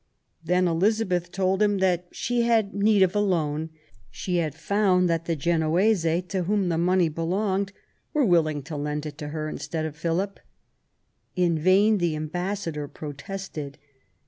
Then Elizabeth told him that as she' had need of a loan, she had found that the Genoese, to whom the 112 QUEEN ELIZABETH. money belonged, were willing to lend it to her instead of Philip. In vain the ambassador protested.